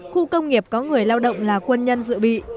khu công nghiệp có người lao động là quân nhân dự bị